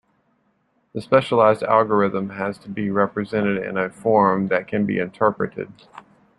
The specialized algorithm has to be represented in a form that can be interpreted.